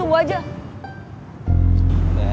ini buat lo saja